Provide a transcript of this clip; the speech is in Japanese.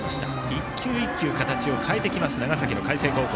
１球１球形を変えてくる長崎の海星高校。